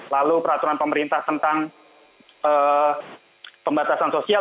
lalu peraturan pemerintah tentang pembatasan sosial